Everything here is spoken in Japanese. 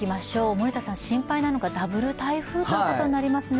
森田さん、心配なのがダブル台風となりますね。